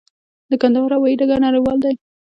د کندهار هوايي ډګر نړیوال دی؟